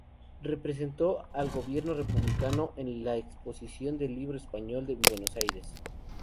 Representó al gobierno republicano en la Exposición del Libro Español en Buenos Aires.